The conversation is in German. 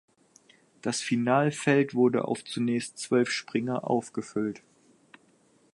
Das Finalfeld wurde auf zunächst zwölf Springer aufgefüllt.